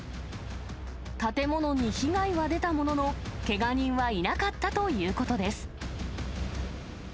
建物に被害は出たものの、けが人はいなかったということです。